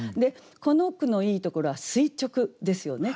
この句のいいところは「垂直」ですよね。